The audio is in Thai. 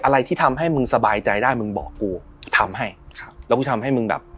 อะไรที่ทำให้มึงสบายใจได้มึงบอกกูทำให้ครับแล้วกูทำให้มึงแบบ